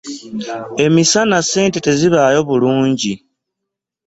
Emisana ssente tezibaayo bulungi.